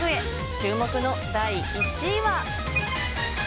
注目の第１位は。